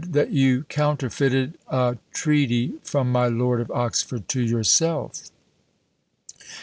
That you counterfeited a treaty from my Lord of Oxford to yourself.